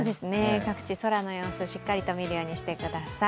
各地、空の様子、しっかりと見るようにしてください。